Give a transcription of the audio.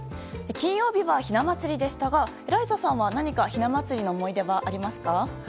金曜日は、ひな祭りでしたがエライザさんは何かひな祭りの思い出はありますか？